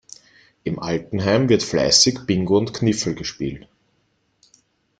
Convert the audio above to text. Im Altenheim wird fleißig Bingo und Kniffel gespielt.